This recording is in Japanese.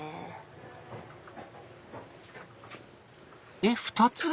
えっ２つ？